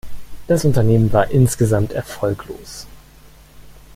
Das Unternehmen war insgesamt erfolglos.